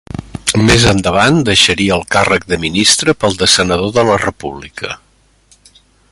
Més endavant, deixaria el càrrec de ministre pel de senador de la República.